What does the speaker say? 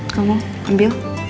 kau mau ambil